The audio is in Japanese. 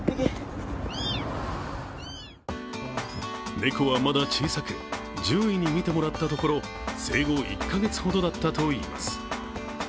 猫はまだ小さく、獣医にみてもらったところ、生後１か月ほどだったといいます。